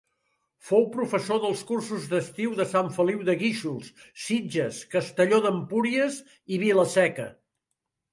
Fou professor dels cursos d'estiu de Sant Feliu de Guíxols, Sitges, Castelló d'Empúries i Vila-Seca.